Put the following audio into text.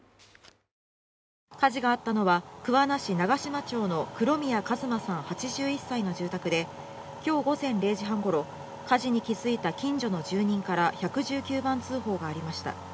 火事があったのは桑名市長島町の黒宮一馬さん８１歳の住宅で、今日午前０時半ごろ、火事に気付いた近所の住人から１１９番通報がありました。